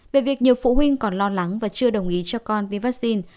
về việc nhiều phụ huynh còn lo lắng và chưa đồng ý cho con đi vaccine